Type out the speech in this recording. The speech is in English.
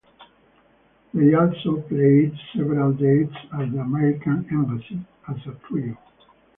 They also played several dates at the American Embassy as a trio.